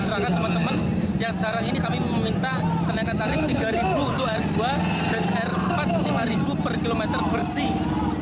dan juga teman teman yang sekarang ini kami meminta penaikan tarif rp tiga untuk r dua dan r empat r lima per kilometer bersih